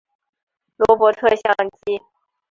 罗伯特像机。